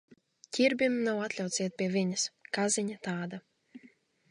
Ķirbim nav atļauts iet pie viņas. Kaziņa tāda.